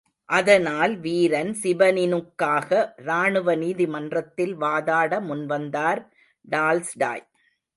அதனால் வீரன் சிபனினுக்காக ராணுவ நீதிமன்றத்தில் வாதாட முன்வந்தார் டால்ஸ்டாய்.